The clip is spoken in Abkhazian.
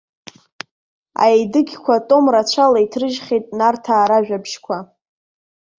Аедыгьқәа том рацәала иҭрыжьхьеит нарҭаа ражәабжьқәа.